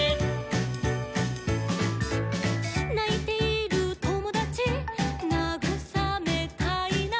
「ないているともだちなぐさめたいな」